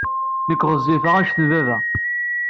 Nekk ɣezzifeɣ anect n baba.